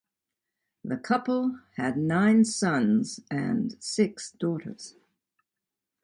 The couple had nine sons and six daughters.